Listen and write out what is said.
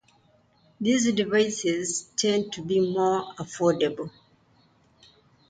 These devices tend to be more affordable.